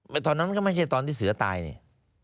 ตอนนั้นก็ไม่ใช่ตอนที่เสือตายนี่